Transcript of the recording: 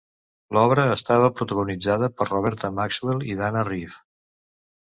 L'obra estava protagonitzada per Roberta Maxwell i Dana Reeve.